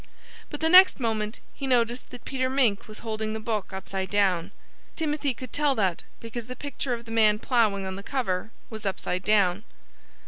But the next moment he noticed that Peter Mink was holding the book upside down. Timothy could tell that because the picture of the man ploughing, on the cover, was upside down.